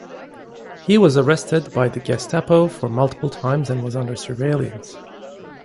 He was arrested by the Gestapo for multiple times and was under surveillance.